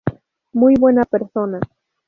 Muy buena Persona